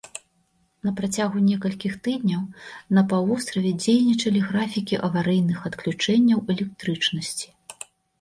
На працягу некалькіх тыдняў на паўвостраве дзейнічалі графікі аварыйных адключэнняў электрычнасці.